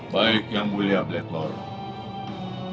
baik yang mulia black war